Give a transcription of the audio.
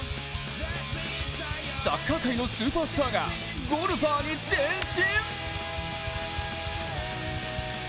サッカー界のスーパースターがゴルファーに転身！？